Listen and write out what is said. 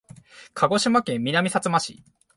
鹿児島県南さつま市